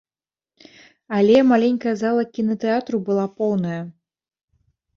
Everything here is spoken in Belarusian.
Але маленькая зала кінатэатру была поўная.